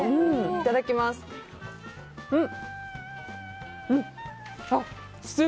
いただきます。